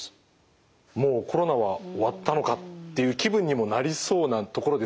もうコロナは終わったのかっていう気分にもなりそうなところですけど。